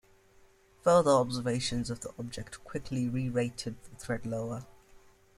Further observations of the object quickly re-rated the threat lower.